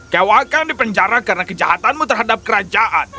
kewakan dipenjara karena kejahatanmu terhadap kerajaan